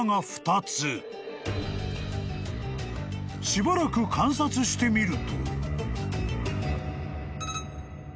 ［しばらく観察してみると］